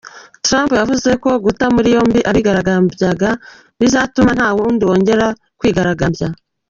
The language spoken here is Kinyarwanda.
Trump yavuze ko guta muri yombi abigaragambya bizatuma nta w’undi wongera kwigaragambya.